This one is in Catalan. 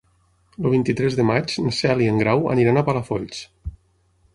El vint-i-tres de maig na Cel i en Grau aniran a Palafolls.